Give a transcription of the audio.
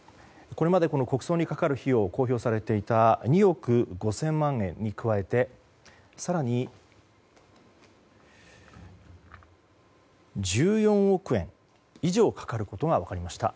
これまで公表されていた２億５０００万円に加えて更に１４億円以上かかることが分かりました。